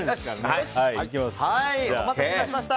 お待たせいたしました。